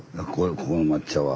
ここの抹茶は。